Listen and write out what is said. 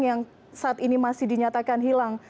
yang saat ini masih dinyatakan hilang